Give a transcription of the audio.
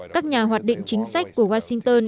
các nhà hoạt định chính sách của washington